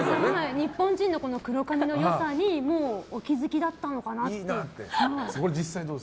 日本人の黒髪の良さにお気づきだったのかなって。